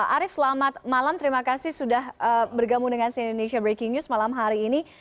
arief selamat malam terima kasih sudah bergabung dengan si indonesia breaking news malam hari ini